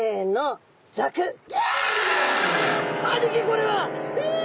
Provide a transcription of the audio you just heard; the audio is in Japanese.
これはう！